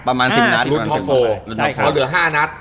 รุ่นท็อป๔เกิดเหลือ๕นัท